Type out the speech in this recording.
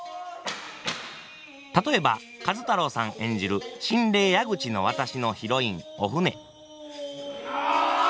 例えば壱太郎さん演じる「神霊矢口渡」のヒロインお舟。